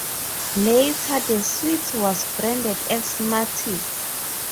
Later, the sweet was rebranded as "Smarties".